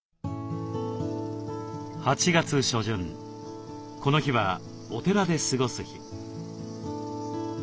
８月初旬この日はお寺で過ごす日。